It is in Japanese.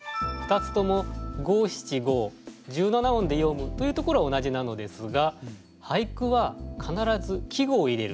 ２つとも五・七・五十七音でよむというところは同じなのですが俳句は必ず「季語」を入れるという約束があります。